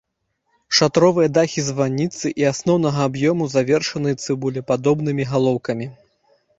Шатровыя дахі званіцы і асноўнага аб'ёму завершаны цыбулепадобнымі галоўкамі.